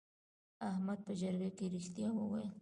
احمد په جرګه کې رښتیا وویل.